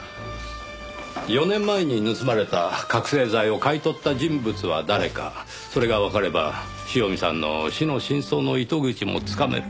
４年前に盗まれた覚醒剤を買い取った人物は誰かそれがわかれば塩見さんの死の真相の糸口もつかめる。